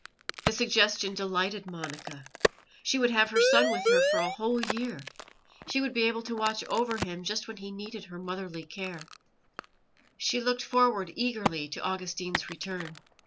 The suggestion delighted Monica. She would have her son with her for a whole year. She would be able to watch over him just when he needed her motherly care; she looked forward eagerly to Augustine's return.